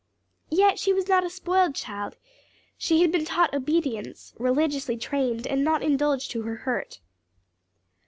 Yet she was not a spoiled child; she had been taught obedience, religiously trained, and not indulged to her hurt.